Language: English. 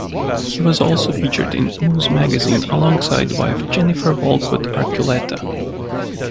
He was also featured in "Moves" magazine, alongside wife Jennifer Walcott Archuleta.